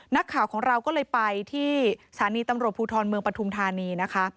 นักข่าวของเราก็เลยไปที่สถานีตำรวจภูทรเมืองปฐุมธานีนะคะ